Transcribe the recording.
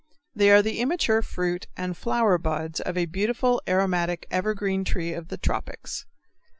They are the immature fruit and flower buds of a beautiful aromatic evergreen tree of the tropics.